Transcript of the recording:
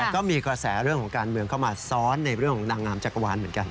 ก็มีกระแสเรื่องของการเมืองเข้ามาซ้อนในเรื่องของนางงามจักรวาลเหมือนกัน